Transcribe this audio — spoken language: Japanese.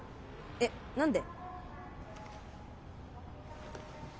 えっ何で？